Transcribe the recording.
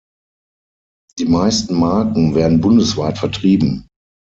Die meisten Marken werden bundesweit vertrieben.